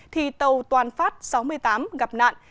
thì tàu toàn phát sáu mươi tám gặp nạn